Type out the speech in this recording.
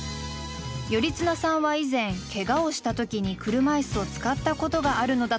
頼綱さんは以前けがをした時に車いすを使ったことがあるのだとか。